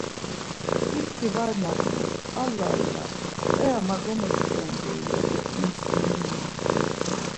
İpti var nagnu, ‘allahalla p̌ia ma gomoç̌ǩodu-i’ ya do imsiminu.